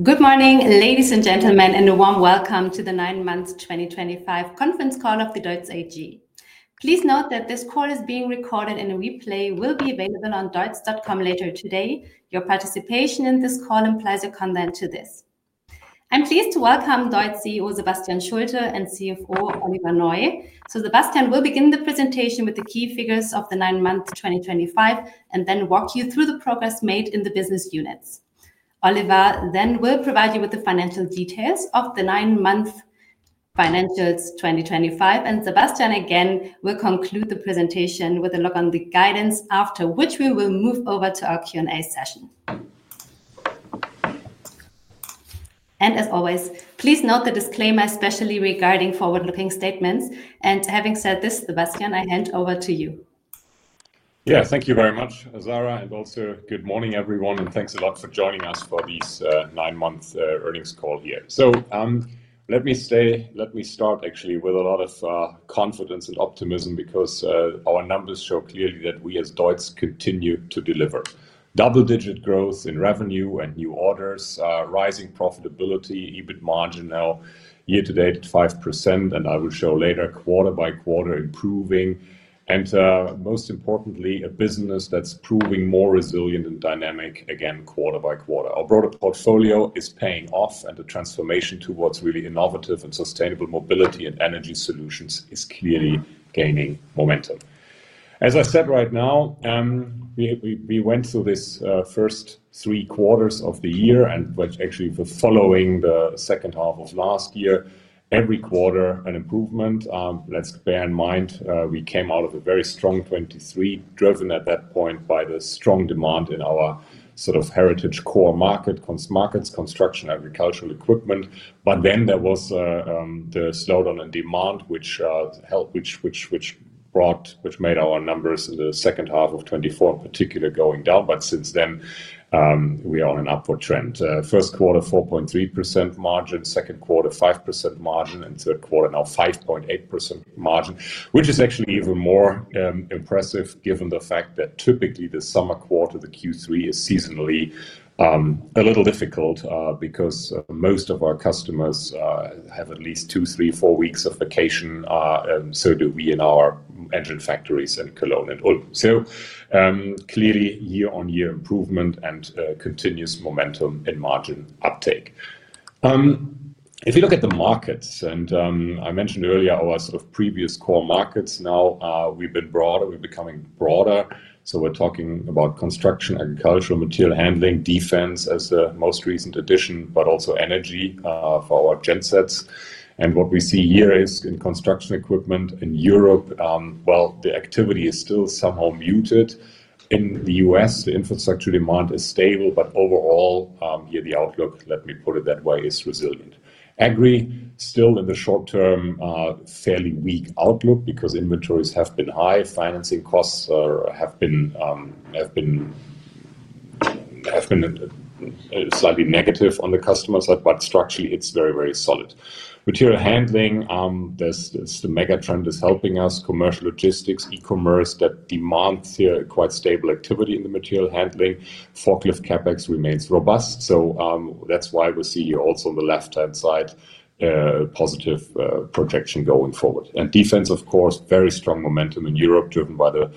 Good morning, ladies and gentlemen, and a warm welcome to the Nine-Months 2025 Conference Call of DEUTZ AG. Please note that this call is being recorded, and a replay will be available on deutz.com later today. Your participation in this call implies your consent to this. I'm pleased to welcome DEUTZ CEO Sebastian Schulte and CFO Oliver Neu. Sebastian will begin the presentation with the key figures of the Nine-Months 2025 and then walk you through the progress made in the business units. Oliver then will provide you with the financial details of the Nine-Months Financials 2025, and Sebastian again will conclude the presentation with a look on the guidance, after which we will move over to our Q&A session. As always, please note the disclaimer, especially regarding forward-looking statements. Having said this, Sebastian, I hand over to you. Yeah, thank you very much, Sarah, and also good morning, everyone, and thanks a lot for joining us for this 9 Months earnings call here. Let me say, let me start actually with a lot of confidence and optimism because our numbers show clearly that we as DEUTZ continue to deliver. Double-digit growth in revenue and new orders, rising profitability, EBIT margin now year-to-date at 5%, and I will show later quarter-by-quarter improving, and most importantly, a business that is proving more resilient and dynamic again quarter-by-quarter. Our broader portfolio is paying off, and the transformation towards really innovative and sustainable mobility and energy solutions is clearly gaining momentum. As I said right now, we went through this first three quarters of the year and actually the following the second half of last year, every quarter an improvement. Let's bear in mind we came out of a very strong 2023, driven at that point by the strong demand in our sort of heritage core markets, construction, agricultural equipment. Then there was the slowdown in demand, which brought, which made our numbers in the second half of 2024 particularly going down. Since then, we are on an upward trend. First quarter, 4.3% margin, second quarter, 5% margin, and third quarter now 5.8% margin, which is actually even more impressive given the fact that typically the summer quarter, the Q3, is seasonally a little difficult because most of our customers have at least 2, 3, 4 weeks of vacation, and so do we in our engine factories in Cologne and Ulm. Clearly year-on-year improvement and continuous momentum in margin uptake. If you look at the markets, and I mentioned earlier our sort of previous core markets, now we've been broader, we're becoming broader. We are talking about construction, agricultural, material handling, defense as the most recent addition, but also energy for our gensets. What we see here is in construction equipment in Europe, the activity is still somehow muted. In the U.S., the infrastructure demand is stable, but overall, yeah, the outlook, let me put it that way, is resilient. Agri, still in the short term, fairly weak outlook because inventories have been high, financing costs have been slightly negative on the customer side, but structurally it's very, very solid. Material handling, the mega trend is helping us, commercial logistics, e-commerce, that demand, quite stable activity in the material handling. Forklift CapEx remains robust. That's why we see also on the left-hand side positive projection going forward. Defense, of course, very strong momentum in Europe, driven by the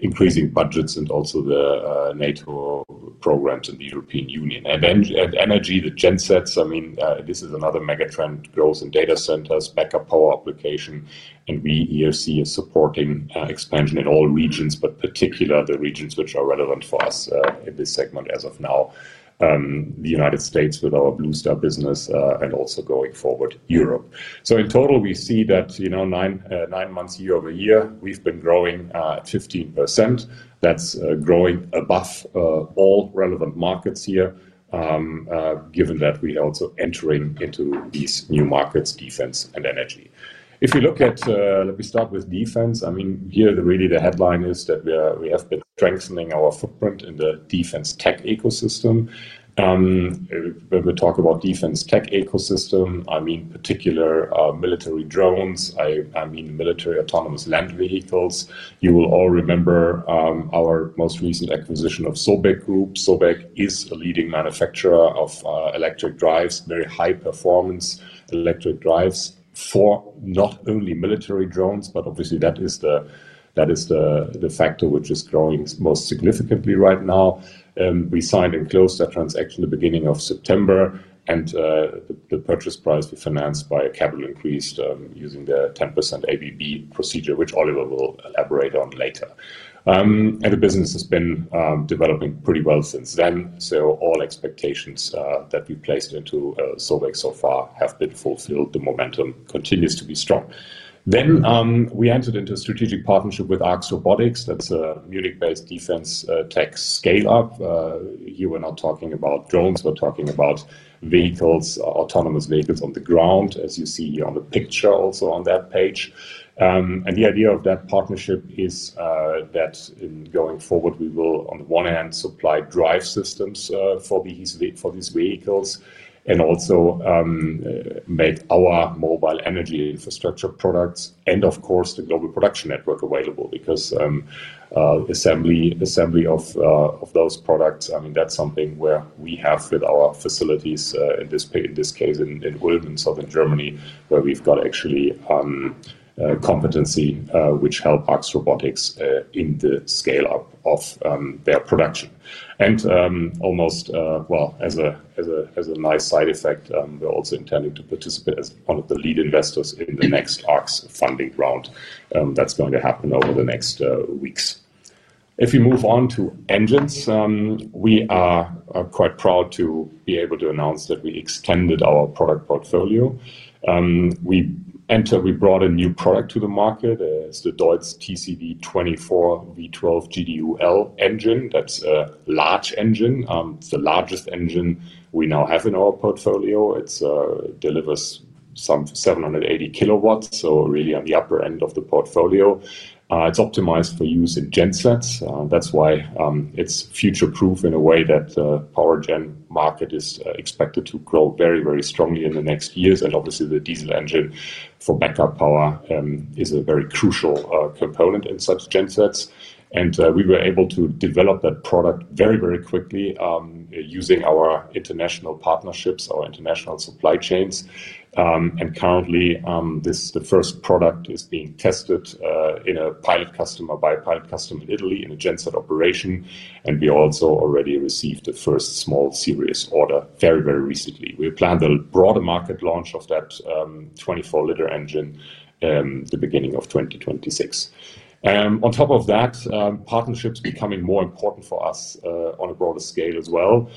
increasing budgets and also the NATO programs in the European Union. Energy, the gensets, I mean, this is another mega trend, growth in data centers, backup power application, and we here see a supporting expansion in all regions, but particularly the regions which are relevant for us in this segment as of now. The United States with our Blue Star business and also going forward Europe. In total, we see that. 9 months year-over-year, we've been growing at 15%. That's growing above all relevant markets here. Given that we are also entering into these new markets, defense and energy. If we look at, let me start with defense, I mean, here really the headline is that we have been strengthening our footprint in the defense tech ecosystem. When we talk about defense tech ecosystem, I mean particular. Military drones, I mean military autonomous land vehicles. You will all remember our most recent acquisition of SOBEK Group. SOBEK is a leading manufacturer of electric drives, very high performance electric drives for not only military drones, but obviously that is. The factor which is growing most significantly right now. We signed and closed that transaction at the beginning of September, and the purchase price we financed by capital increase using the 10% ABB procedure, which Oliver will elaborate on later. The business has been developing pretty well since then. All expectations that we placed into SOBEK so far have been fulfilled. The momentum continues to be strong. We entered into a strategic partnership with ARX Robotics. That is a Munich-based defense tech scale-up. Here we're not talking about drones, we're talking about vehicles, autonomous vehicles on the ground, as you see here on the picture also on that page. The idea of that partnership is that in going forward, we will on the one hand supply drive systems for these vehicles and also make our mobile energy infrastructure products and of course the global production network available because assembly of those products, I mean, that's something where we have with our facilities in this case in Ulm, in southern Germany, where we've got actually competency which help ARX Robotics in the scale-up of their production. Almost, well, as a nice side effect, we're also intending to participate as one of the lead investors in the next ARX funding round that's going to happen over the next weeks. If we move on to engines, we are quite proud to be able to announce that we extended our product portfolio. We brought a new product to the market. It's the DEUTZ TCD24 V12 GDU-L engine. That's a large engine. It's the largest engine we now have in our portfolio. It delivers 780 kw, so really on the upper end of the portfolio. It's optimized for use in gensets. That's why it's future-proof in a way that the power gen market is expected to grow very, very strongly in the next years. Obviously, the diesel engine for backup power is a very crucial component in such gensets. We were able to develop that product very, very quickly using our international partnerships, our international supply chains. Currently, this is the first product that is being tested by a pilot customer in Italy in a genset operation. We also already received the first small series order very, very recently. We planned a broader market launch of that 24-liter engine at the beginning of 2026. On top of that, partnerships are becoming more important for us on a broader scale as well,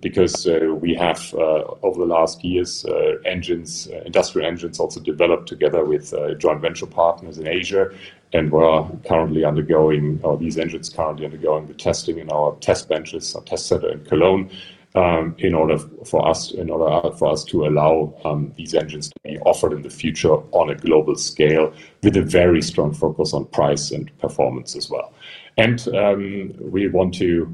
because we have, over the last years, engines, industrial engines also developed together with joint venture partners in Asia. These engines are currently undergoing testing in our test benches, our test center in Cologne, in order for us to allow these engines to be offered in the future on a global scale with a very strong focus on price and performance as well. We want to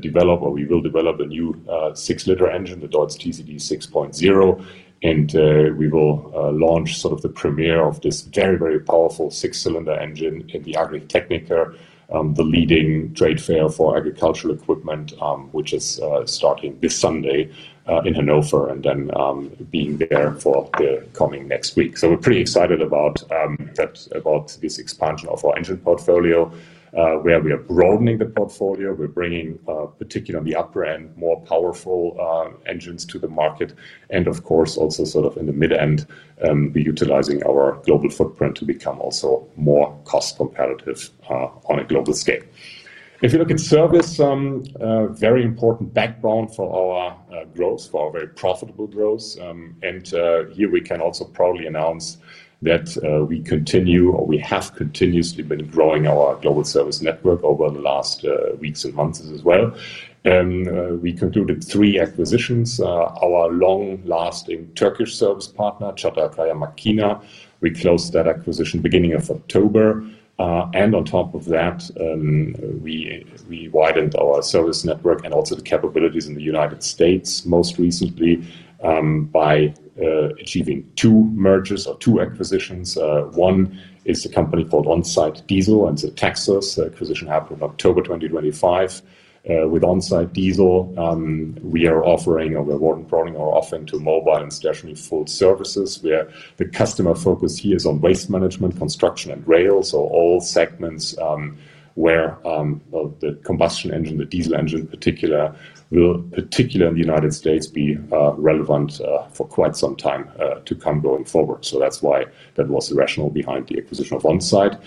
develop, or we will develop a new 6-liter engine, the DEUTZ TCD 6.0. We will launch sort of the premiere of this very, very powerful six-cylinder engine at AGRITECHNICA, the leading trade fair for agricultural equipment, which is starting this Sunday in Hannover and then being there for the coming next week. We are pretty excited about this expansion of our engine portfolio, where we are broadening the portfolio. We are bringing, particularly on the upper end, more powerful engines to the market. Of course, also sort of in the mid-end, we are utilizing our global footprint to become also more cost-competitive on a global scale. If you look at service, very important background for our growth, for our very profitable growth. Here we can also proudly announce that we continue, or we have continuously been growing our global service network over the last weeks and months as well. We concluded three acquisitions. Our long-lasting Turkish service partner, Çatalkaya Makina, we closed that acquisition beginning of October. On top of that, we widened our service network and also the capabilities in the United States most recently by achieving two mergers or two acquisitions. One is a company called OnSite Diesel, and it is a Texas acquisition happened in October 2025. With OnSite Diesel, we are offering, or we are broadening our offering to mobile and stationary full services, where the customer focus here is on waste management, construction, and rail. All segments where the combustion engine, the diesel engine in particular, will, particularly in the United States, be relevant for quite some time to come going forward. That was the rationale behind the acquisition of OnSite.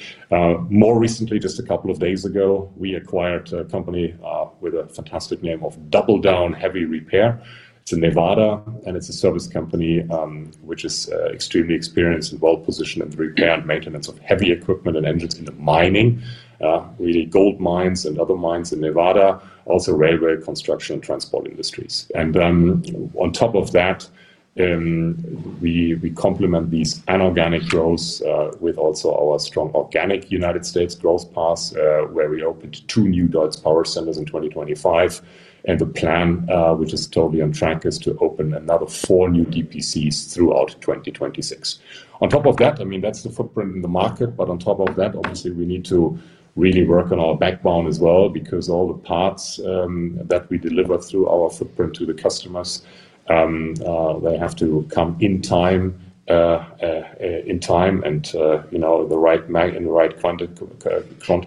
More recently, just a couple of days ago, we acquired a company with a fantastic name of Double Down Heavy Repair. It is in Nevada, and it is a service company which is extremely experienced and well positioned in the repair and maintenance of heavy equipment and engines in the mining, really gold mines and other mines in Nevada, also railway, construction, and transport industries. On top of that, we complement these anorganic growths with also our strong organic United States growth path, where we opened two new DEUTZ power centers in 2025. The plan, which is totally on track, is to open another four new DPCs throughout 2026. On top of that, I mean, that's the footprint in the market, but on top of that, obviously, we need to really work on our backbone as well because all the parts that we deliver through our footprint to the customers, they have to come in time and in the right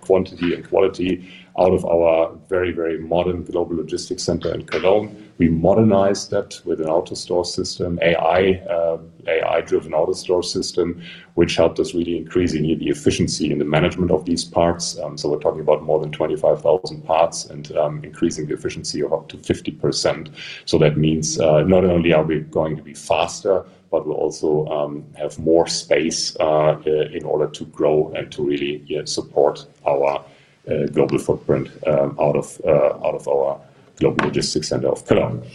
quantity and quality out of our very, very modern global logistics center in Cologne. We modernized that with an Autostore System, AI-driven Autostore System, which helped us really increasing the efficiency in the management of these parts. We're talking about more than 25,000 parts and increasing the efficiency of up to 50%. That means not only are we going to be faster, but we'll also have more space in order to grow and to really support our global footprint out of our global logistics center of Cologne.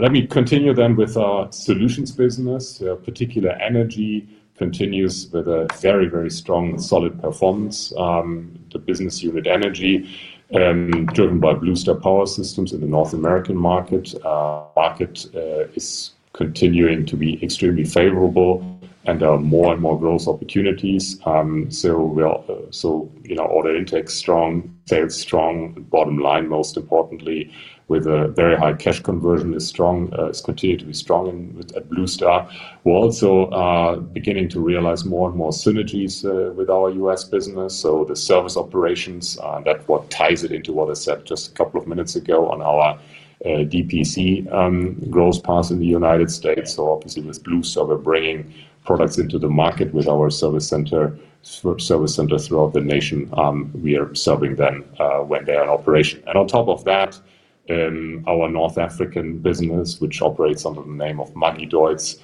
Let me continue then with our solutions business. Particular energy continues with a very, very strong and solid performance. The business unit energy, driven by Blue Star Power Systems in the North American market. Market is continuing to be extremely favorable and there are more and more growth opportunities. Order intake strong, sales strong, bottom line most importantly, with a very high cash conversion is strong, is continued to be strong at Blue Star. We're also beginning to realize more and more synergies with our US business. The service operations, that's what ties it into what I said just a couple of minutes ago on our DPC growth path in the United States. Obviously, with Blue Star, we're bringing products into the market with our service center. Throughout the nation, we are serving them when they're in operation. And on top of that. Our North African business, which operates under the name of Magideutz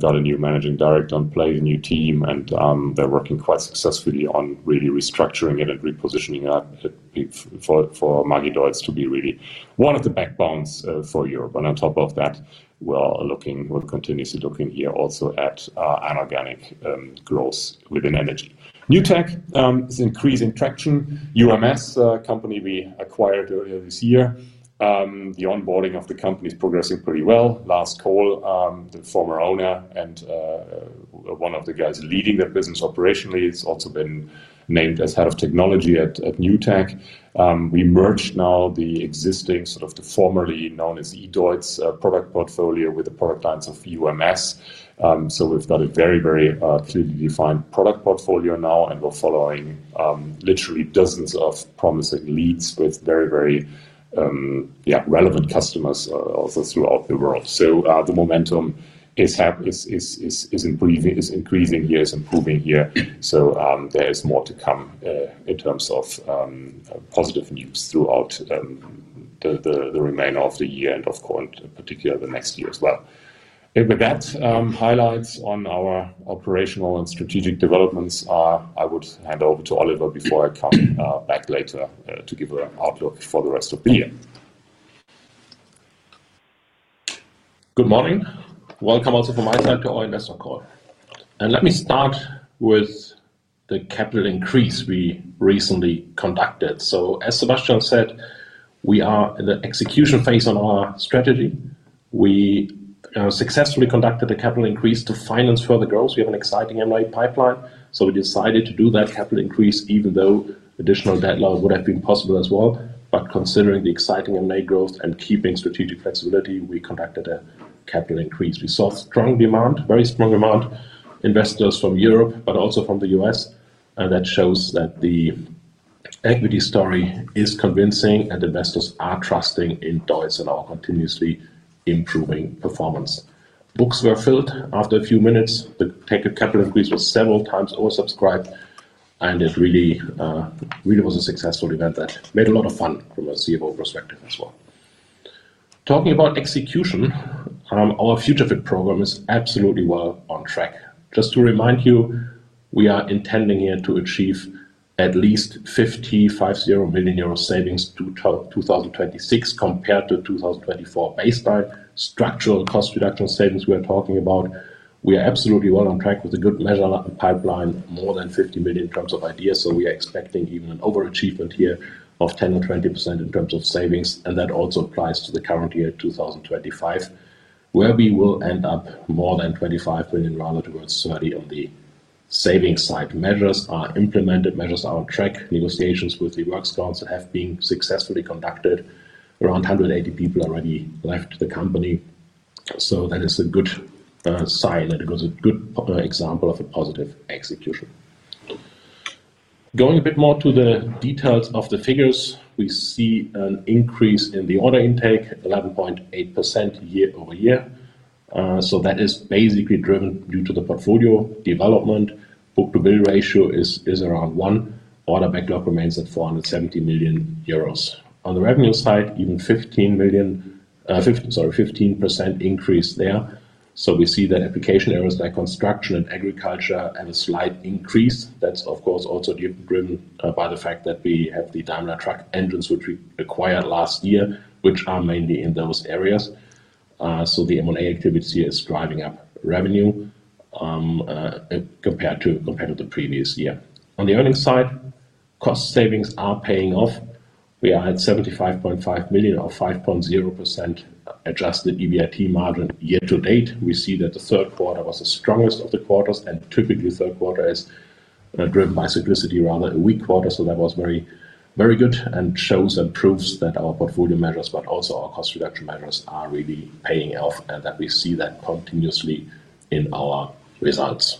got a new managing director in play, a new team, and they're working quite successfully on really restructuring it and repositioning it. For Magideutz to be really one of the backbones for Europe. On top of that, we're looking, we're continuously looking here also at anorganic growth within energy. New Tech is increasing traction. UMS company we acquired earlier this year. The onboarding of the company is progressing pretty well. Lars Kohl, the former owner and one of the guys leading the business operationally, has also been named as head of technology at New Tech. We merged now the existing sort of the formerly known as eDEUTZ product portfolio with the product lines of UMS. We have a very, very clearly defined product portfolio now, and we are following literally dozens of promising leads with very, very relevant customers also throughout the world. The momentum is increasing here, is improving here. There is more to come in terms of positive news throughout the remainder of the year and of course in particular the next year as well. With that, highlights on our operational and strategic developments, I would hand over to Oliver before I come back later to give an outlook for the rest of the year. Good morning. Welcome also from my side to Oliver Neu. Let me start with the capital increase we recently conducted. As Sebastian said, we are in the execution phase on our strategy. We successfully conducted the capital increase to finance further growth. We have an exciting M&A pipeline. We decided to do that capital increase even though an additional deadline would have been possible as well. Considering the exciting M&A growth and keeping strategic flexibility, we conducted a capital increase. We saw strong demand, very strong demand, investors from Europe, but also from the U.S. That shows that the equity story is convincing and investors are trusting in DEUTZ and our continuously improving performance. Books were filled after a few minutes. The capital increase was several times oversubscribed. It really was a successful event that made a lot of fun from a CFO perspective as well. Talking about execution, our Future Fit Program is absolutely well on track. Just to remind you, we are intending here to achieve at least 50 million euro savings to 2026 compared to the 2024 baseline. Structural cost reduction savings we are talking about, we are absolutely well on track with a good measurement pipeline, more than 50 million in terms of ideas. We are expecting even an overachievement here of 10%-20% in terms of savings. That also applies to the current year, 2025. We will end up more than 25 million, rather towards 30 million on the savings side. Measures are implemented, measures are on track. Negotiations with the works council have been successfully conducted. Around 180 people already left the company. That is a good sign and a good example of a positive execution. Going a bit more to the details of the figures, we see an increase in the order intake, 11.8% year-over-year. That is basically driven due to the portfolio development. Book-to-bill ratio is around 1. Order backlog remains at 470 million euros. On the revenue side, even 15% increase there. We see that application areas like construction and agriculture have a slight increase. That is, of course, also driven by the fact that we have the Daimler Truck engines, which we acquired last year, which are mainly in those areas. The M&A activity is driving up revenue compared to the previous year. On the earnings side, cost savings are paying off. We are at 75.5 million or 5.0% adjusted EBIT margin year-to-date. We see that the third quarter was the strongest of the quarters. Typically, the third quarter is, by simplicity, rather a weak quarter. That was very, very good and shows and proves that our portfolio measures, but also our cost reduction measures, are really paying off and that we see that continuously in our results.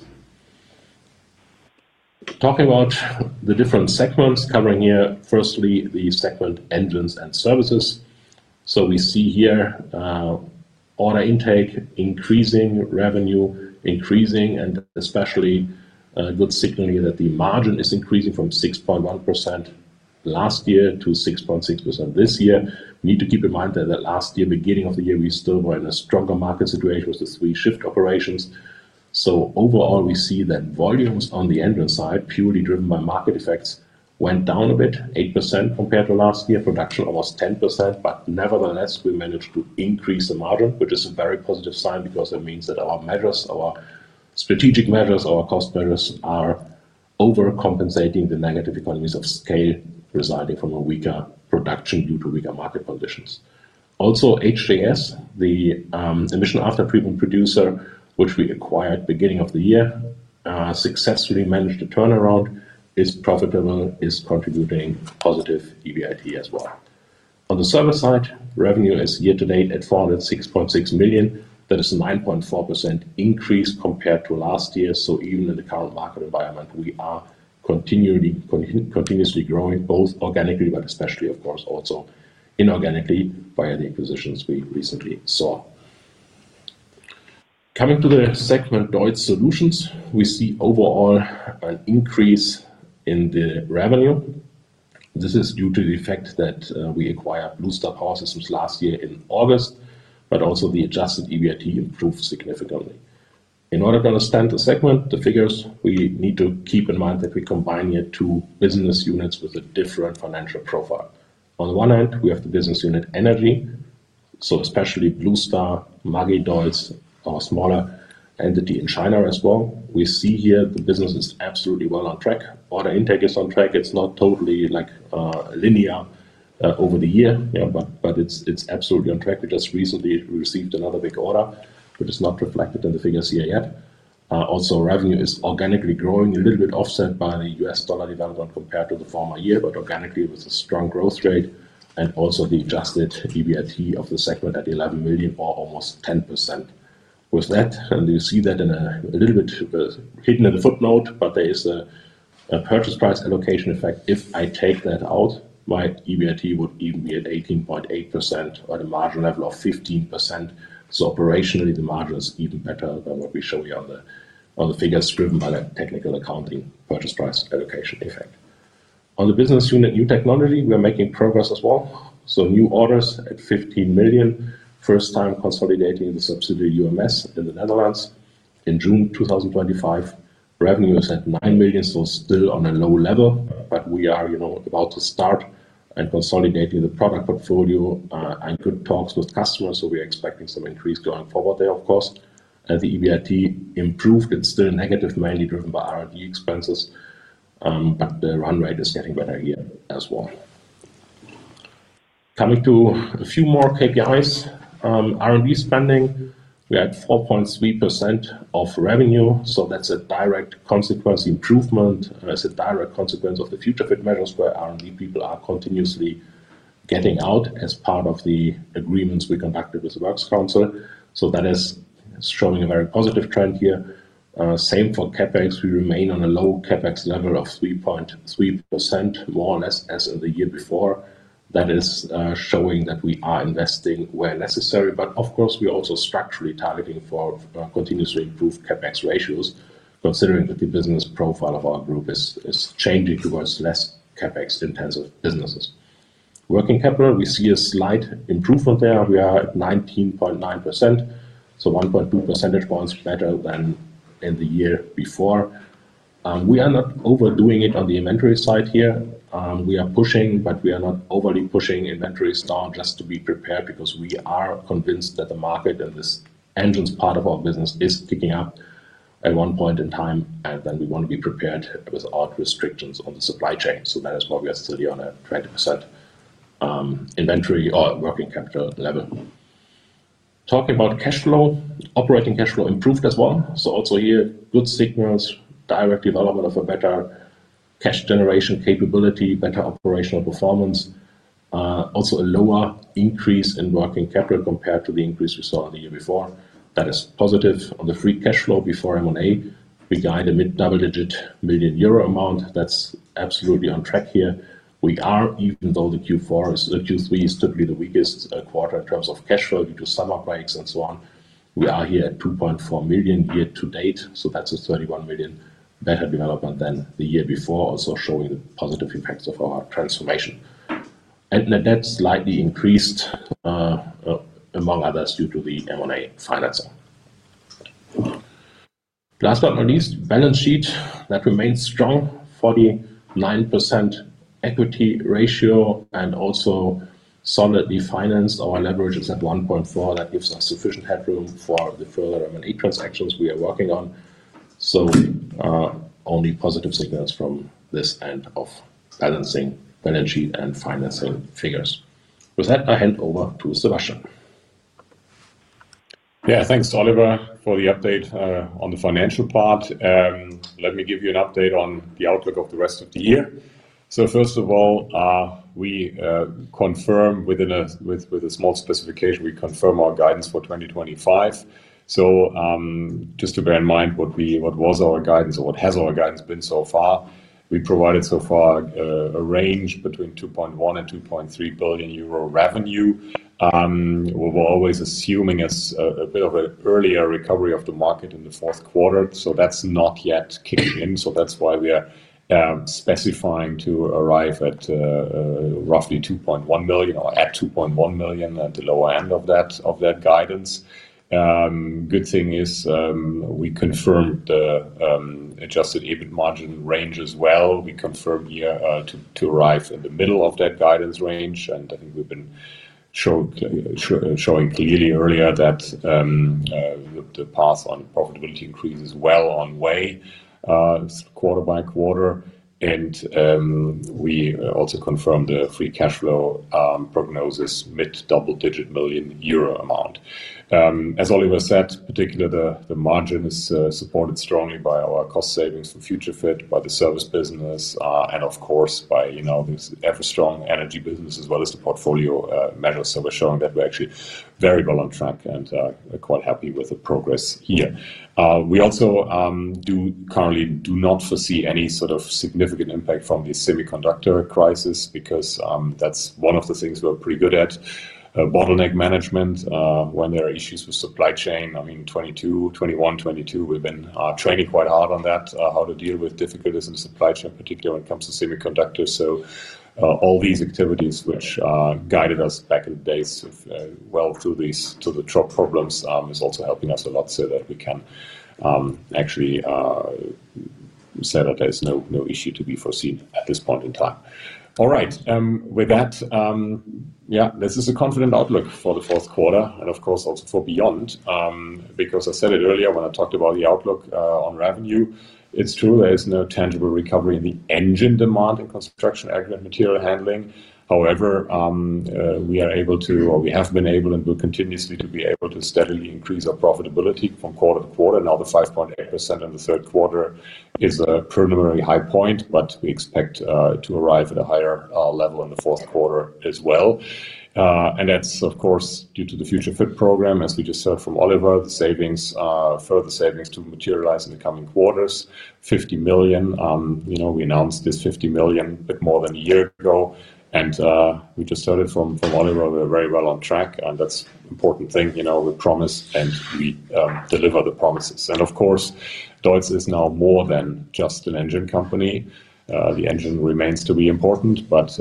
Talking about the different segments covering here, firstly, the segment engines and services. We see here order intake increasing, revenue increasing, and especially good signaling that the margin is increasing from 6.1% last year to 6.6% this year. We need to keep in mind that last year, beginning of the year, we still were in a stronger market situation with the three shift operations. Overall, we see that volumes on the engine side, purely driven by market effects, went down a bit, 8% compared to last year. Production almost 10%, but nevertheless, we managed to increase the margin, which is a very positive sign because it means that our measures, our strategic measures, our cost measures are overcompensating the negative economies of scale resulting from a weaker production due to weaker market conditions. Also, HJS, the emission after-treatment producer, which we acquired beginning of the year, successfully managed the turnaround, is profitable, is contributing positive EBIT as well. On the service side, revenue is year-to-date at 406.6 million. That is a 9.4% increase compared to last year. Even in the current market environment, we are continuously growing both organically, but especially, of course, also inorganically via the acquisitions we recently saw. Coming to the segment DEUTZ Solutions, we see overall an increase in the revenue. This is due to the fact that we acquired Blue Star Power Systems last year in August, but also the adjusted EBIT improved significantly. In order to understand the segment, the figures, we need to keep in mind that we combine here two business units with a different financial profile. On the one hand, we have the business unit energy. Blue Star, Magideutz, our smaller entity in China as well. We see here the business is absolutely well on track. Order intake is on track. It's not totally linear over the year, but it's absolutely on track. We just recently received another big order, which is not reflected in the figures here yet. Also, revenue is organically growing, a little bit offset by the U.S. dollar development compared to the former year, but organically with a strong growth rate and also the adjusted EBIT of the segment at 11 million or almost 10%. With that, and you see that a little bit hidden in the footnote, but there is a purchase price allocation effect. If I take that out, my EBIT would even be at 18.8 million or the margin level of 15%. Operationally, the margin is even better than what we show you on the figures, driven by the technical accounting purchase price allocation effect. On the business unit New Technology, we are making progress as well. New orders at 15 million, first time consolidating the subsidiary UMS in the Netherlands. In June 2025, revenue is at 9 million. Still on a low level, but we are about to start and consolidating the product portfolio and good talks with customers. We are expecting some increase going forward there, of course. The EBIT improved. It is still negative, mainly driven by R&D expenses, but the run rate is getting better here as well. Coming to a few more KPIs, R&D spending, we had 4.3% of revenue. That is a direct consequence improvement. It's a direct consequence of the Future Fit measures where R&D people are continuously getting out as part of the agreements we conducted with the works council. That is showing a very positive trend here. Same for CapEx. We remain on a low CapEx level of 3.3%, more or less as in the year before. That is showing that we are investing where necessary. Of course, we are also structurally targeting for continuously improved CapEx ratios, considering that the business profile of our group is changing towards less CapEx intensive businesses. Working capital, we see a slight improvement there. We are at 19.9%. So 1.2 percentage points better than in the year before. We are not overdoing it on the inventory side here. We are pushing, but we are not overly pushing inventories down just to be prepared because we are convinced that the market and this engine's part of our business is picking up at one point in time. We want to be prepared with our restrictions on the supply chain. That is why we are still here on a 20% inventory or working capital level. Talking about cash flow, operating cash flow improved as well. Also here, good signals, direct development of a better cash generation capability, better operational performance. Also a lower increase in working capital compared to the increase we saw in the year before. That is positive. On the free cash flow before M&A, we guide a mid-double digit million EUR amount. That is absolutely on track here. We are, even though Q4 is Q3 is typically the weakest quarter in terms of cash flow due to summer breaks and so on, we are here at 2.4 million year-to-date. That is a 31 million better development than the year before, also showing the positive effects of our transformation. That slightly increased, among others, due to the M&A financing. Last but not least, balance sheet remains strong, 49% equity ratio, and also solidly financed. Our leverage is at 1.4. That gives us sufficient headroom for the further M&A transactions we are working on. Only positive signals from this end of balancing balance sheet and financing figures. With that, I hand over to Sebastian. Yeah, thanks, Oliver, for the update on the financial part. Let me give you an update on the outlook of the rest of the year. First of all, we. Confirm with a small specification, we confirm our guidance for 2025. Just to bear in mind what was our guidance or what has our guidance been so far, we provided so far a range between 2.1 billion-2.3 billion euro revenue. We're always assuming a bit of an earlier recovery of the market in the fourth quarter. That's not yet kicking in. That's why we are specifying to arrive at roughly 2.1 billion or at 2.1 billion at the lower end of that guidance. Good thing is we confirmed the adjusted EBIT margin range as well. We confirmed here to arrive in the middle of that guidance range. I think we've been showing clearly earlier that the path on profitability increase is well on way, quarter by quarter. We also confirmed the free cash flow prognosis, mid-double digit million Euro amount. As Oliver said, particularly the margin is supported strongly by our cost savings for Future Fit, by the service business, and of course, by the ever-strong energy business as well as the portfolio measures. We are showing that we are actually very well on track and quite happy with the progress here. We also currently do not foresee any sort of significant impact from the semiconductor crisis because that is one of the things we are pretty good at, bottleneck management when there are issues with supply chain. I mean, 2021, 2022, we have been training quite hard on that, how to deal with difficulties in the supply chain, particularly when it comes to semiconductors. All these activities, which guided us back in the days well through the trough problems, are also helping us a lot so that we can actually say that there is no issue to be foreseen at this point in time. All right. With that. Yeah, this is a confident outlook for the fourth quarter and, of course, also for beyond. Because I said it earlier when I talked about the outlook on revenue, it's true there is no tangible recovery in the engine demand and construction aggregate material handling. However, we are able to, or we have been able and will continuously be able to steadily increase our profitability from quarter to quarter. Now, the 5.8% in the third quarter is a preliminary high point, but we expect to arrive at a higher level in the fourth quarter as well. That is, of course, due to the Future Fit program, as we just heard from Oliver, the further savings to materialize in the coming quarters, 50 million. We announced this 50 million a bit more than a year ago. And we just heard it from Oliver. We're very well on track. That is an important thing. We promise and we deliver the promises. Of course, DEUTZ is now more than just an engine company. The engine remains to be important, but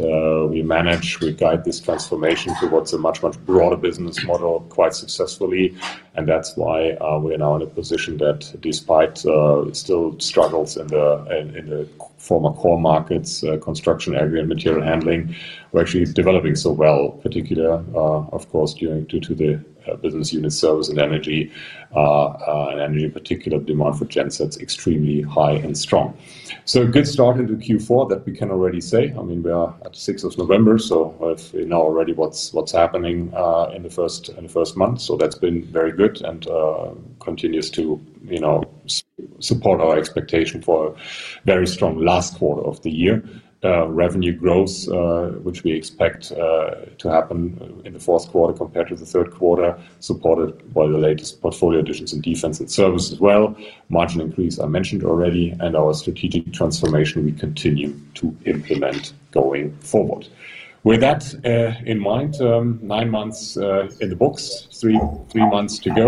we manage, we guide this transformation towards a much, much broader business model quite successfully. That is why we are now in a position that, despite still struggles in the former core markets, construction, aggregate, material handling, we're actually developing so well, particularly, of course, due to the business unit service and energy. Energy in particular, demand for gensets extremely high and strong. A good start into Q4, that we can already say. I mean, we are at 6th of November, so we know already what's happening in the first month. That has been very good and continues to support our expectation for a very strong last quarter of the year. Revenue growth, which we expect to happen in the fourth quarter compared to the third quarter, supported by the latest portfolio additions in defense and service as well. Margin increase, I mentioned already, and our strategic transformation we continue to implement going forward. With that in mind, nine months in the books, three months to go.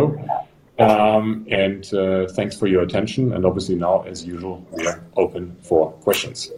Thank you for your attention. Obviously now, as usual, we are open for questions.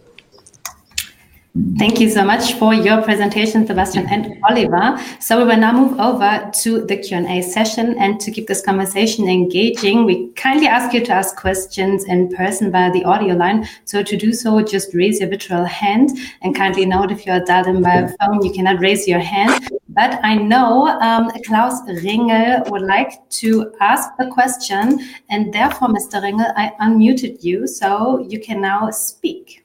Thank you so much for your presentation, Sebastian and Oliver. We will now move over to the Q&A session. To keep this conversation engaging, we kindly ask you to ask questions in person via the audio line. To do so, just raise your virtual hand. Kindly note, if you are dialed in by phone, you cannot raise your hand. I know Klaus Ringel would like to ask a question. Therefore, Mr. Ringel, I unmuted you so you can now speak.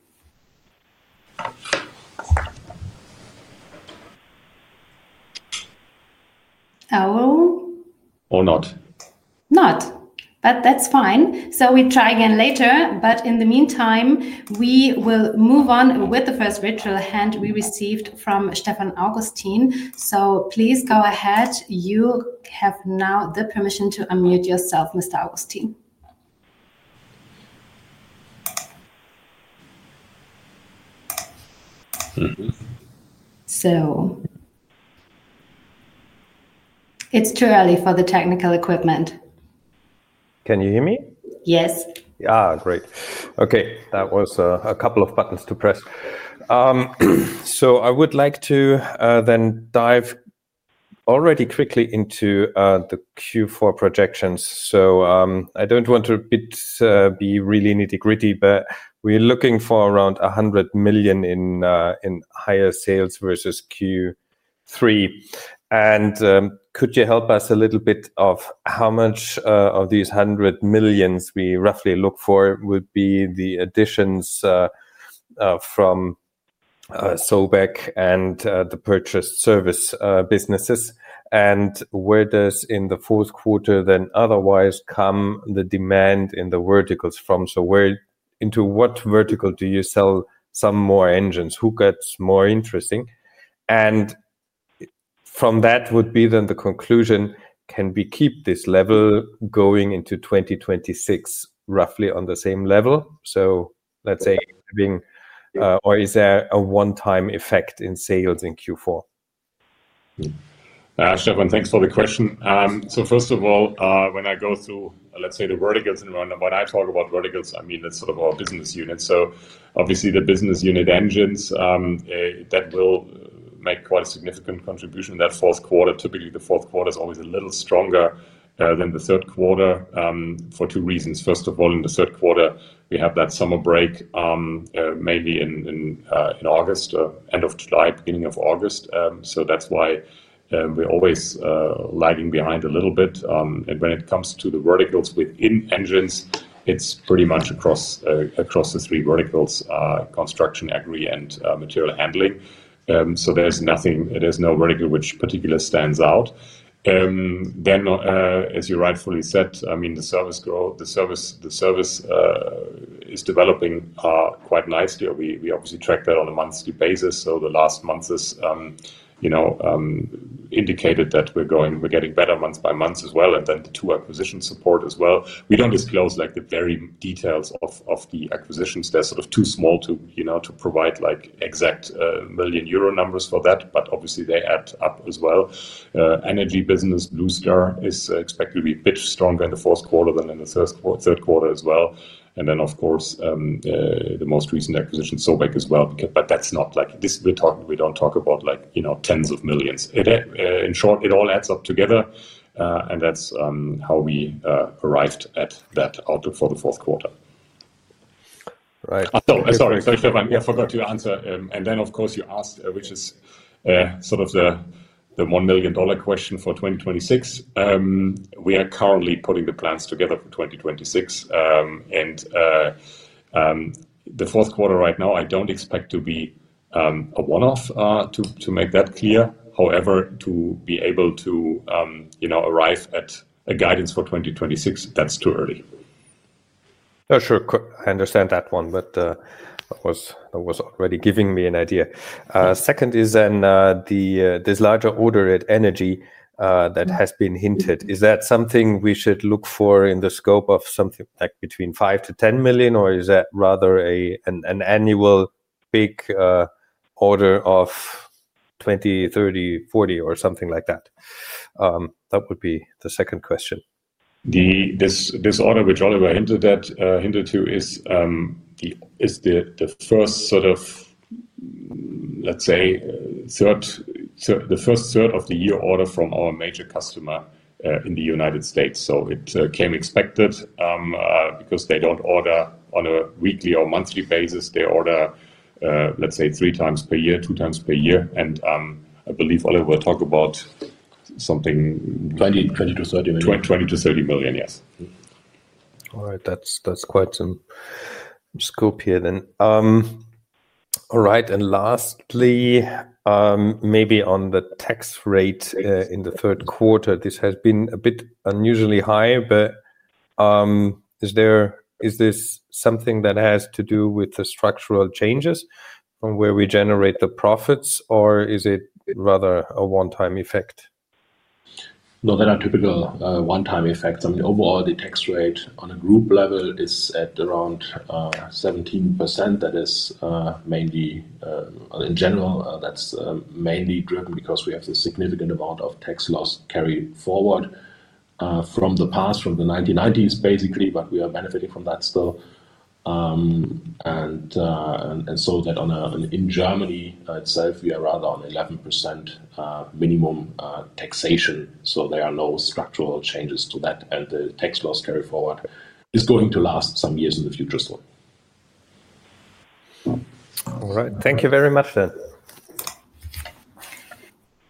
Oh. Or not. Not. That is fine. We try again later. In the meantime, we will move on with the first virtual hand we received from Stefan Augustin. Please go ahead. You have now the permission to unmute yourself, Mr. Augustin. It is too early for the technical equipment. Can you hear me? Yes. Yeah, great. That was a couple of buttons to press. I would like to then dive already quickly into the Q4 projections. I do not want to be really nitty-gritty, but we are looking for around 100 million in higher sales versus Q3. Could you help us a little bit with how much of these 100 million we roughly look for would be the additions from SOBEK and the purchased service businesses? Where does, in the fourth quarter, otherwise come the demand in the verticals from? Into what vertical do you sell some more engines? Who gets more interesting? From that, would be the conclusion, can we keep this level going into 2026 roughly on the same level? Let's say. Or is there a one-time effect in sales in Q4? Stefan, thanks for the question. First of all, when I go through the verticals in Rowland, when I talk about verticals, I mean, it's sort of our business unit. Obviously, the business unit engines. That will make quite a significant contribution in that fourth quarter. Typically, the fourth quarter is always a little stronger than the third quarter for two reasons. First of all, in the third quarter, we have that summer break. Maybe in August, end of July, beginning of August. That's why we're always lagging behind a little bit. When it comes to the verticals within engines, it's pretty much across the three verticals, construction, aggregate, and material handling. There's no vertical which particularly stands out. As you rightfully said, I mean, the service is developing quite nicely. We obviously track that on a monthly basis. The last month has indicated that we're getting better month by month as well. The two acquisitions support as well. We don't disclose the very details of the acquisitions. They're sort of too small to provide exact million euro numbers for that. Obviously, they add up as well. Energy business, Blue Star, is expected to be a bit stronger in the fourth quarter than in the third quarter as well. Of course, the most recent acquisition, SOBEK, as well. That's not like we don't talk about tens of millions. In short, it all adds up together. That's how we arrived at that outlook for the fourth quarter. Right. Sorry, Stefan, I forgot to answer. Of course, you asked, which is sort of the $1 million question for 2026. We are currently putting the plans together for 2026. The fourth quarter right now, I don't expect to be a one-off, to make that clear. However, to be able to arrive at a guidance for 2026, that's too early. Sure. I understand that one, but that was already giving me an idea. Second is then this larger order at energy that has been hinted. Is that something we should look for in the scope of something like between 5 million-10 million, or is that rather an annual big order of. 20, 30, 40, or something like that? That would be the second question. This order, which Oliver hinted to. Is the first sort of. Let's say. The first third of the year order from our major customer in the United States. It came expected. Because they do not order on a weekly or monthly basis. They order, let's say, 3x per year, 2x per year. I believe Oliver will talk about. Something. 20 million-30 million. 20 million-30 million, yes. All right. That is quite some. Scope here then. All right. Lastly. Maybe on the tax rate in the third quarter, this has been a bit unusually high, but. Is this something that has to do with the structural changes from where we generate the profits, or is it rather a one-time effect? No, they are not typical one-time effects. I mean, overall, the tax rate on a group level is at around 17%. That is mainly, in general, that's mainly driven because we have a significant amount of tax loss carried forward from the past, from the 1990s, basically, but we are benefiting from that still. In Germany itself, we are rather on 11% minimum taxation. There are no structural changes to that. The tax loss carried forward is going to last some years in the future still. All right. Thank you very much then.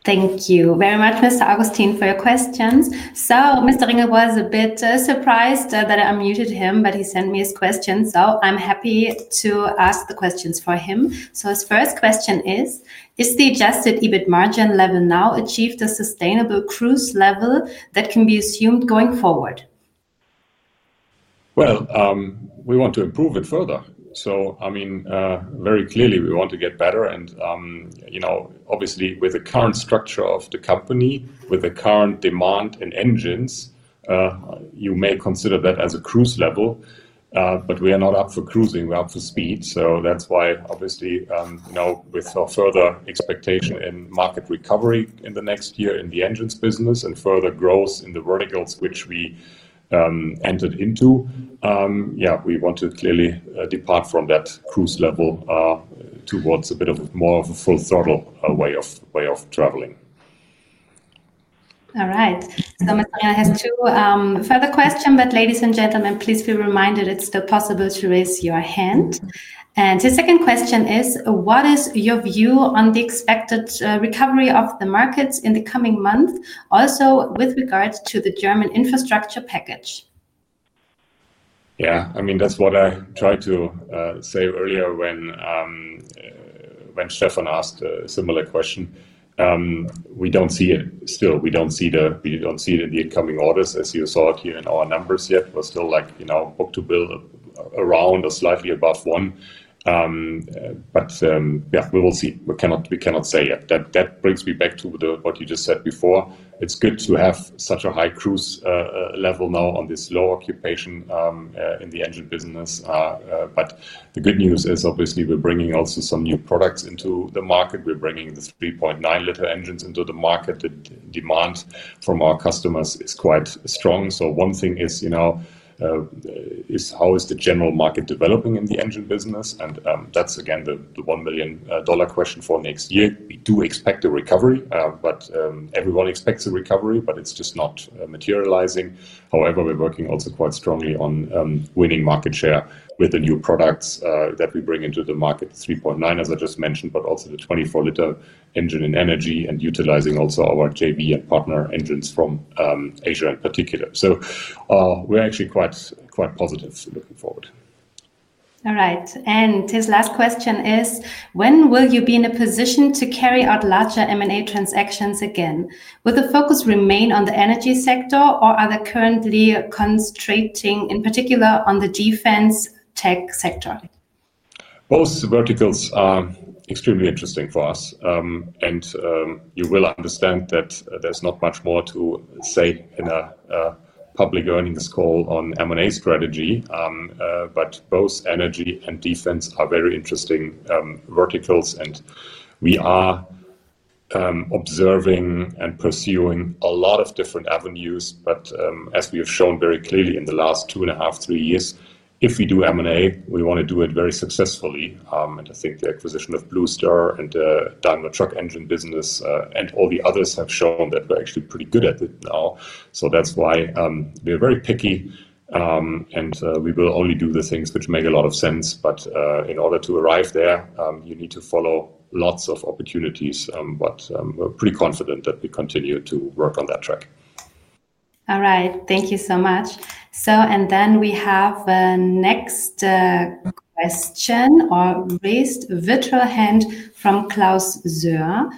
Thank you very much, Mr. Augustin, for your questions. Mr. Ringel was a bit surprised that I unmuted him, but he sent me his questions. I am happy to ask the questions for him. His first question is, is the adjusted EBIT margin level now achieved a sustainable cruise level that can be assumed going forward? We want to improve it further. I mean, very clearly, we want to get better. Obviously, with the current structure of the company, with the current demand in engines, you may consider that as a cruise level, but we are not up for cruising. We are up for speed. That is why, obviously, with further expectation in market recovery in the next year in the engines business and further growth in the verticals which we entered into, we want to clearly depart from that cruise level towards a bit more of a full-throttle way of traveling. All right. Mr. Ringel has two further questions. Ladies and gentlemen, please be reminded it is still possible to raise your hand. His second question is, what is your view on the expected recovery of the markets in the coming month, also with regard to the German infrastructure package? Yeah. I mean, that's what I tried to say earlier when Stefan asked a similar question. We don't see it still. We don't see it in the incoming orders, as you saw it here in our numbers yet. We're still in our book-to-bill around or slightly above one. Yeah, we will see. We cannot say yet. That brings me back to what you just said before. It's good to have such a high cruise level now on this low occupation in the engine business. The good news is, obviously, we're bringing also some new products into the market. We're bringing the 3.9-liter engines into the market. The demand from our customers is quite strong. One thing is, how is the general market developing in the engine business? That's, again, the $1 million question for next year. We do expect a recovery, but everyone expects a recovery, but it's just not materializing. However, we're working also quite strongly on winning market share with the new products that we bring into the market, 3.9, as I just mentioned, but also the 24-liter engine in energy and utilizing also our JV and partner engines from Asia in particular. So we're actually quite positive looking forward. All right. His last question is, when will you be in a position to carry out larger M&A transactions again? Will the focus remain on the energy sector, or are they currently concentrating in particular on the defense tech sector? Both verticals are extremely interesting for us. You will understand that there's not much more to say in a public earnings call on M&A strategy. Both energy and defense are very interesting verticals. We are. Observing and pursuing a lot of different avenues. As we have shown very clearly in the last two and a half, three years, if we do M&A, we want to do it very successfully. I think the acquisition of Blue Star and the Daimler Truck engine business and all the others have shown that we are actually pretty good at it now. That is why we are very picky. We will only do the things which make a lot of sense. In order to arrive there, you need to follow lots of opportunities. We are pretty confident that we continue to work on that track. All right. Thank you so much. Then we have the next question or raised virtual hand from Klaus Söer.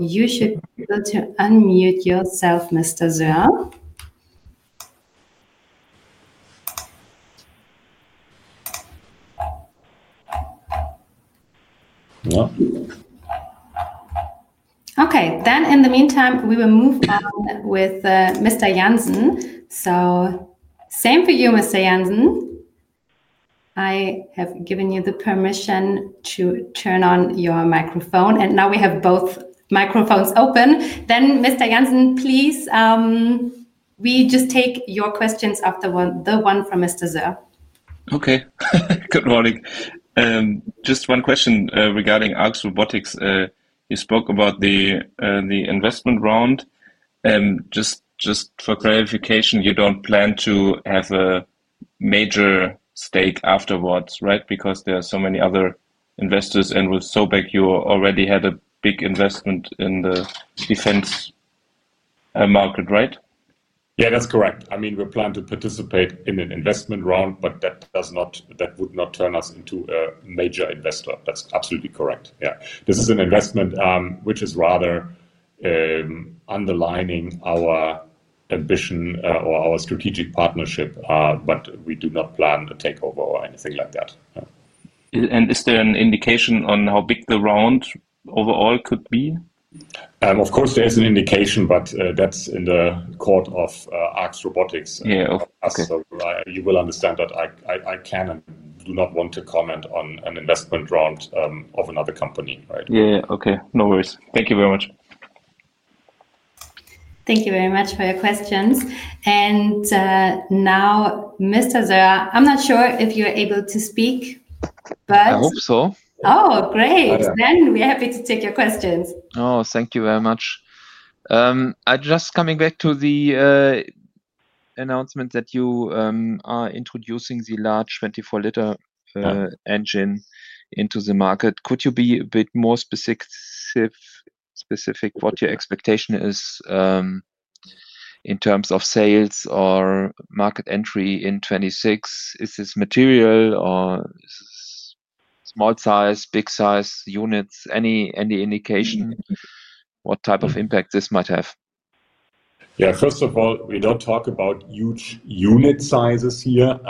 You should be able to unmute yourself, Mr. Söer. In the meantime, we will move on with Mr. Jansen. Same for you, Mr. Jansen. I have given you the permission to turn on your microphone. Now we have both microphones open. Mr. Jansen, please. We just take your questions after the one from Mr. Söer. Okay. Good morning. Just one question regarding ARX Robotics. You spoke about the investment round. Just for clarification, you do not plan to have a major stake afterwards, right? Because there are so many other investors. And with SOBEK, you already had a big investment in the defense market, right? Yeah, that is correct. I mean, we plan to participate in an investment round, but that would not turn us into a major investor. That is absolutely correct. Yeah. This is an investment which is rather underlining our ambition or our strategic partnership, but we do not plan a takeover or anything like that. Is there an indication on how big the round overall could be? Of course, there is an indication, but that is in the court of ARX Robotics. You will understand that I can and do not want to comment on an investment round of another company, right? Yeah. Okay. No worries. Thank you very much. Thank you very much for your questions. Now, Mr. Söer, I am not sure if you are able to speak. I hope so. Oh, great. We are happy to take your questions. Oh, thank you very much. Just coming back to the announcement that you are introducing the large 24-liter engine into the market, could you be a bit more specific what your expectation is in terms of sales or market entry in 2026? Is this material or small size, big size units? Any indication what type of impact this might have? Yeah. First of all, we do not talk about huge unit sizes here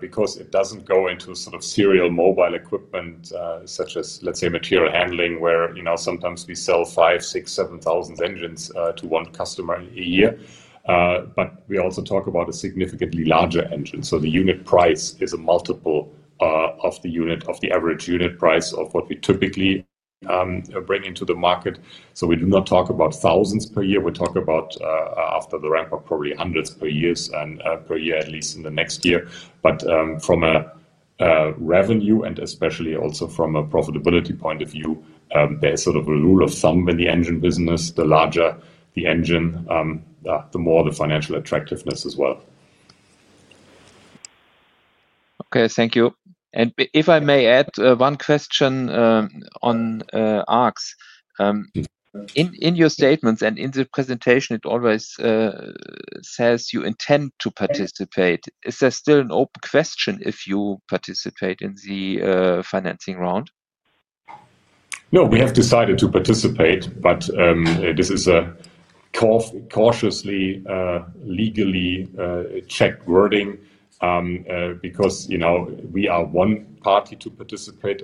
because it does not go into sort of serial mobile equipment such as, let's say, material handling, where sometimes we sell 5, 6, 7 thousand engines to one customer a year. We also talk about a significantly larger engine, so the unit price is a multiple of the average unit price of what we typically bring into the market. We do not talk about thousands per year. We talk about, after the ramp-up, probably hundreds per year, at least in the next year. From a revenue and especially also from a profitability point of view, there is sort of a rule of thumb in the engine business: the larger the engine, the more the financial attractiveness as well. Okay. Thank you. If I may add one question on ARX. In your statements and in the presentation, it always says you intend to participate. Is there still an open question if you participate in the financing round? No, we have decided to participate, but this is a cautiously, legally checked wording because we are one party to participate.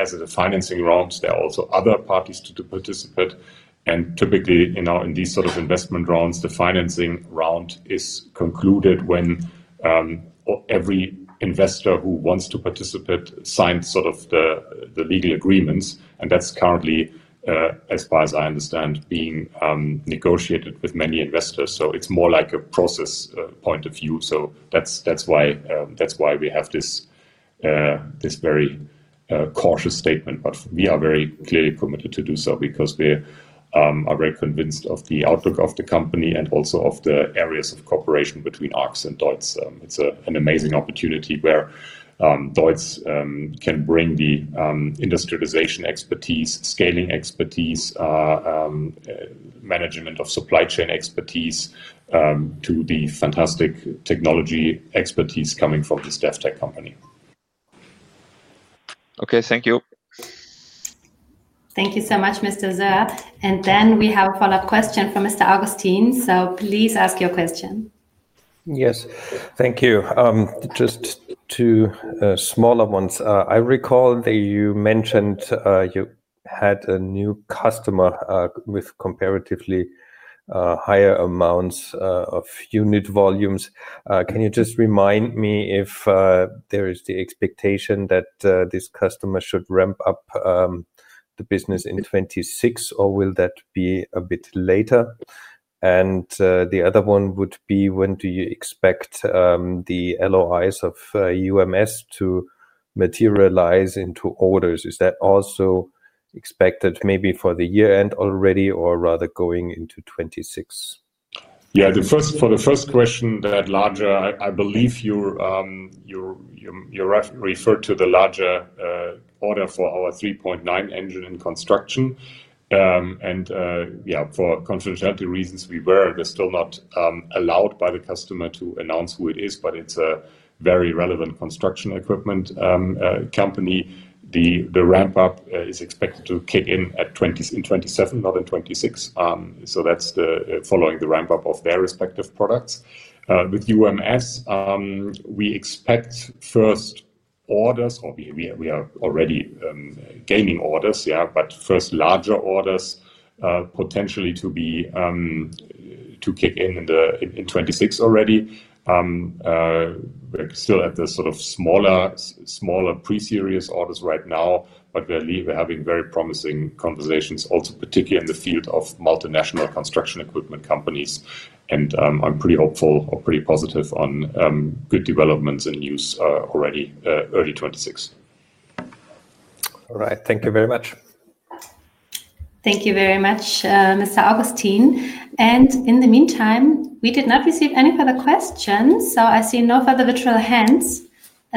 As in the financing rounds, there are also other parties to participate. Typically, in these sort of investment rounds, the financing round is concluded when every investor who wants to participate signs sort of the legal agreements. That is currently, as far as I understand, being negotiated with many investors. It is more like a process point of view. That is why we have this very cautious statement. We are very clearly committed to do so because we are very convinced of the outlook of the company and also of the areas of cooperation between ARX and DEUTZ. It's an amazing opportunity where DEUTZ can bring the industrialization expertise, scaling expertise, management of supply chain expertise to the fantastic technology expertise coming from this dev tech company. Okay. Thank you. Thank you so much, Mr. Söer. Then we have a follow-up question from Mr. Augustin. Please ask your question. Yes. Thank you. Just two smaller ones. I recall that you mentioned you had a new customer with comparatively higher amounts of unit volumes. Can you just remind me if there is the expectation that this customer should ramp up the business in 2026, or will that be a bit later? The other one would be, when do you expect the LOIs of UMS to materialize into orders? Is that also expected maybe for the year-end already or rather going into 2026? Yeah. For the first question, that larger, I believe you referred to the larger. Order for our 3.9 engine in construction. Yeah, for confidentiality reasons, we are still not allowed by the customer to announce who it is, but it is a very relevant construction equipment company. The ramp-up is expected to kick in in 2027, not in 2026. That is following the ramp-up of their respective products. With UMS, we expect first orders, or we are already gaining orders, but first larger orders potentially to kick in in 2026 already. We are still at the sort of smaller pre-series orders right now, but we are having very promising conversations, also particularly in the field of multinational construction equipment companies. I am pretty hopeful or pretty positive on good developments in use already early 2026. All right. Thank you very much. Thank you very much, Mr. Augustin. In the meantime, we did not receive any further questions. I see no further virtual hands.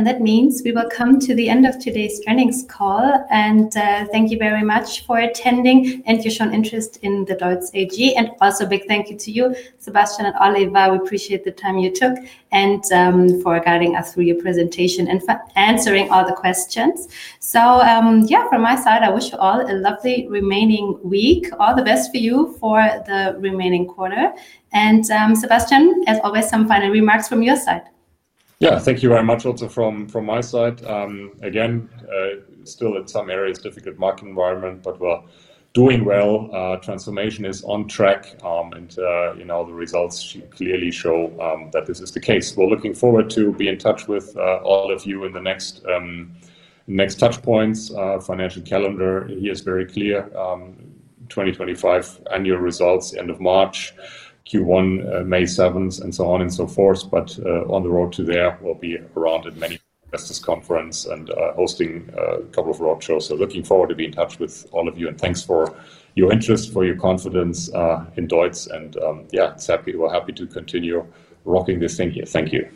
That means we will come to the end of today's earnings call. Thank you very much for attending and your shown interest in DEUTZ AG. Also a big thank you to you, Sebastian and Oliver. We appreciate the time you took and for guiding us through your presentation and answering all the questions. From my side, I wish you all a lovely remaining week. All the best for you for the remaining quarter. Sebastian, as always, some final remarks from your side. Yeah. Thank you very much also from my side. Again, still in some areas, difficult market environment, but we're doing well. Transformation is on track. The results clearly show that this is the case. We're looking forward to being in touch with all of you in the next touch points. Financial calendar here is very clear. Uhm, 2025 annual results, end of March, Q1, May 7th, and so on and so forth. On the road to there, we'll be around in many investors' conferences and hosting a couple of road shows. Looking forward to being in touch with all of you. Thanks for your interest, for your confidence in DEUTZ. Yeah, we're happy to continue rocking this thing here. Thank you.